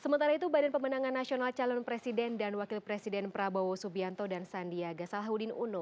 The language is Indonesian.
sementara itu badan pemenangan nasional calon presiden dan wakil presiden prabowo subianto dan sandiaga salahuddin uno